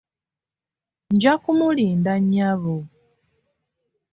Nja kumulinda nnyabo.